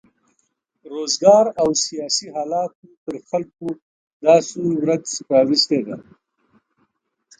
روزګار او سیاسي حالاتو پر خلکو داسې ورځ راوستې ده.